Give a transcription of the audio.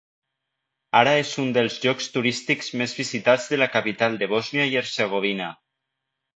Ara és un dels llocs turístics més visitats de la capital de Bòsnia i Hercegovina.